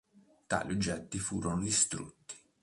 Tali oggetti furono distrutti.